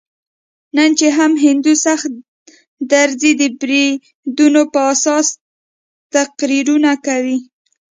نن چې هم هندو سخت دریځي د بریدونو په اساس تقریرونه کوي.